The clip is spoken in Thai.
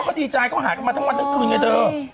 พ่อก็ดีใจเข้าหากันมาทั้งวันทุกคืนไงเธอ